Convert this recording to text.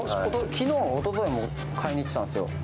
おとといも買いに行ってたんですよ。